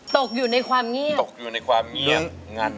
ตกอยู่ในความเงียบตกอยู่ในความเงียบงัน